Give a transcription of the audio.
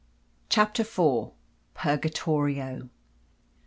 CHAPTER IV. PURGATORIO.